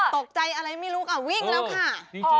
ตกใจอะไรไม่รู้ค่ะวิ่งแล้วค่ะ